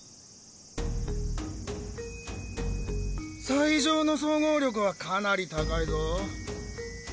西条の総合力はかなり高いぞ。